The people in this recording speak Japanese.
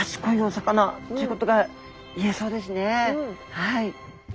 はい。